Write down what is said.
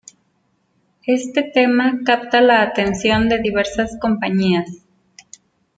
Este tema capta la atención de diversas compañías.